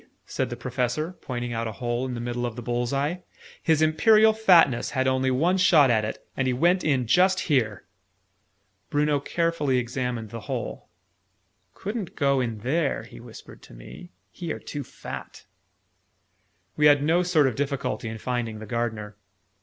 said the Professor, pointing out a hole in the middle of the bull's eye. "His Imperial Fatness had only one shot at it; and he went in just here!" Bruno carefully examined the hole. "Couldn't go in there," he whispered to me. "He are too fat!" We had no sort of difficulty in finding the Gardener.